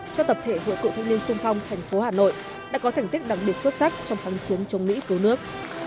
cho tập thể hội cựu thịnh liên xung phong thành phố hà nội đã có thành tích đặc biệt xuất sắc trong phóng chiến chống mỹ cứu nước